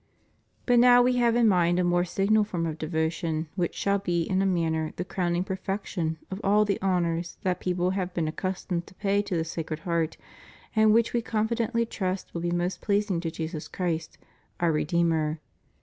But now We have in mind a more signal form of devotion which shall be in a manner the crowning perfection of all the honors that people have been accus tomed to pay to the Sacred Heart, and which We con fidently trust will be most pleasing to Jesus Christ, our Redeemer.